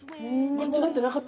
間違ってなかった。